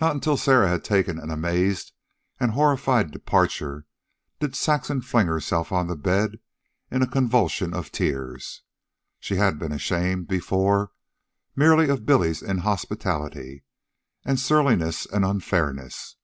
Not until Sarah had taken an amazed and horrified departure did Saxon fling herself on the bed in a convulsion of tears. She had been ashamed, before, merely of Billy's inhospitality, and surliness, and unfairness.